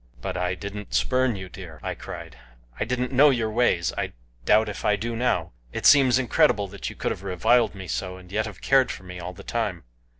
"But I didn't spurn you, dear," I cried. "I didn't know your ways I doubt if I do now. It seems incredible that you could have reviled me so, and yet have cared for me all the time."